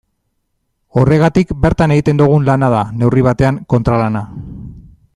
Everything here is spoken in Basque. Horregatik bertan egiten dugun lana da, neurri batean, kontralana.